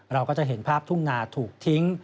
เราก็จะเห็นภาพทุ่งนาถูกทิ้ง